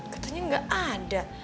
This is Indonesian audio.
katanya gak ada